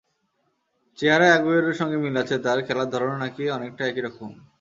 চেহারায় আগুয়েরোর সঙ্গে মিল আছে তাঁর, খেলার ধরণও নাকি অনেকটা একই রকম।